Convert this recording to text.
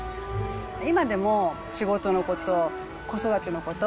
今でも仕事のこと、子育てのこと、